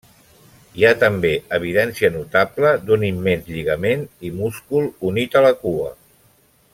Hi ha també evidència notable d'un immens lligament i múscul unit a la cua.